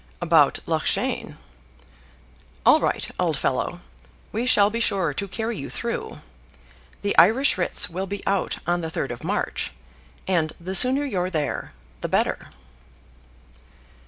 "About Loughshane." "All right, old fellow; we shall be sure to carry you through. The Irish writs will be out on the third of March, and the sooner you're there the better."